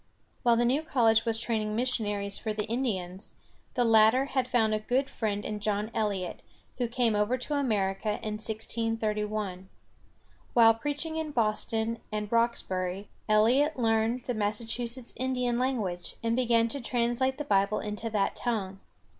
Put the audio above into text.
While the new college was training missionaries for the Indians, the latter had found a good friend in John El´i ot, who came over to America in 1631. While preaching in Boston and Rox´bur y, Eliot learned the Massachusetts Indian language, and began to translate the Bible into that tongue.